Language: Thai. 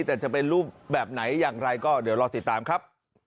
แต่จะเป็นรูปแบบไหนอย่างไรก็เดี๋ยวรอติดตามครับ